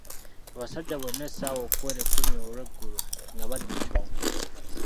Abasajja bonna essaawa okuwera ekkumi olw'eggulo nga bali mu kyombo.